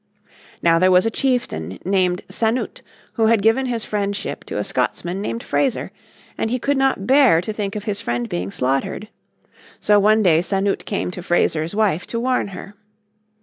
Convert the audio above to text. Now there was a chieftain named Sanute who had given his friendship to a Scotsman named Fraser, and he could not bear to think of his friend being slaughtered. So one day Sanute came to Fraser's wife to warn her.